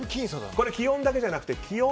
これ気温だけじゃなくて気温×